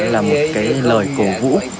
là một cái lời cổ vũ